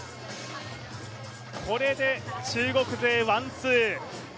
これで中国勢ワンツー。